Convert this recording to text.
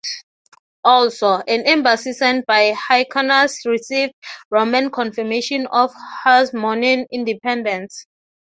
Also, an embassy sent by Hyrcanus received Roman confirmation of Hasmonean independence.